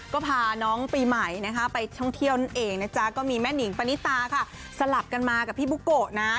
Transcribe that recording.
ก็พาน้องปีใหม่ไปท่องเที่ยวเองก็มีแม่หนิงปานิตาสลับกันมากับพี่บุโกะ